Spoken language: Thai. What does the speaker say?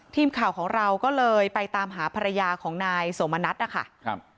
ทีมข่าวของเราก็เลยไปตามหาภรรยาของนายโสมณัฐนะคะครับ